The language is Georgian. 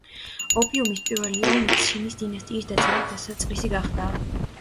ოპიუმის პირველი ომი ცინის დინასტიის დაცემის დასაწყისი გახდა.